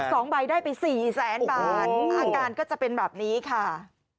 สองใบได้ไปสี่แสนบาทอาการก็จะเป็นแบบนี้ค่ะ